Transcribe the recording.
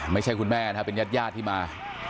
ไม่ใช่คุณแม่นะครับเป็นญาติญาติที่มา